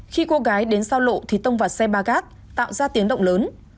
khi cô gái đến giao lộ thì tông vào xe ba gác tạo ra tiếng động lớn